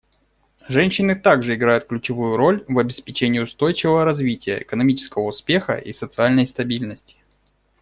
Женщины также играют ключевую роль в обеспечении устойчивого развития, экономического успеха и социальной стабильности.